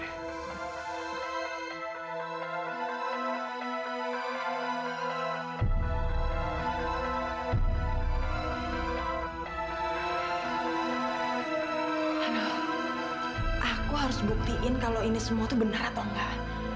hmm aku harus buktiin kalau ini semua itu benar atau enggak